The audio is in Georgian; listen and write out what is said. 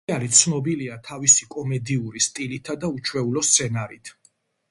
სერიალი ცნობილია თავისი კომედიური სტილითა და უჩვეულო სცენარით.